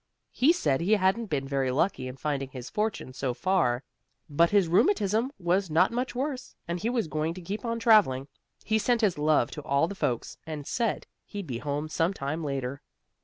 He said he hadn't been very lucky in finding his fortune so far, but his rheumatism was not much worse, and he was going to keep on traveling. He sent his love to all the folks, and said he'd be home some time later.